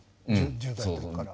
１０代の時から。